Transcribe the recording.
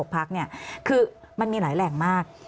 พักเนี่ยคือมันมีหลายแหล่งมาก